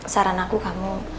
saran aku kamu